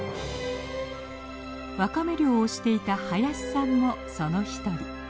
ワカメ漁をしていた林さんもその一人。